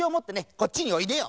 こっちにおいでよ。